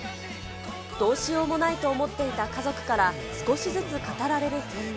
どうしようもないと思っていた家族から少しずつ語られる本音。